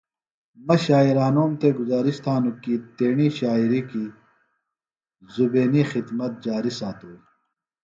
مہ شاعرانوم تھےۡ گزارش تھانوࣿ کیۡ تیݨی شاعری کیۡ زُیبینی خدمت جاری ساتوئی۔